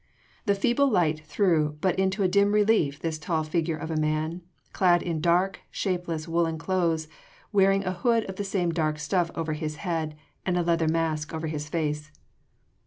The feeble light threw but into a dim relief this tall figure of a man, clad in dark, shapeless woollen clothes wearing a hood of the same dark stuff over his head and a leather mask over his face.